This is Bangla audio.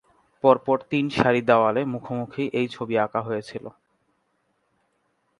পর পর তিন সারি দেওয়ালে মুখোমুখি এই ছবি আঁকা হয়েছিল।